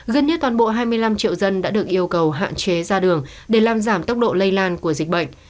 gần như toàn bộ hai mươi năm triệu dân đã được yêu cầu hạn chế ra đường để làm giảm tốc độ lây lan của dịch bệnh